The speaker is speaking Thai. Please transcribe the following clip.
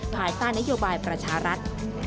ภายใต้นโยบายประชารัฐ